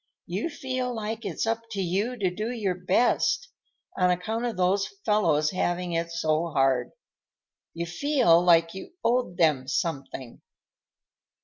You feel like it's up to you to do your best, on account of those fellows having it so hard. You feel like you owed them something."